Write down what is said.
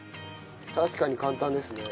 確かに簡単ですね。